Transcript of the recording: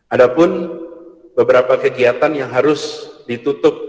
ada pun beberapa kegiatan yang harus ditutup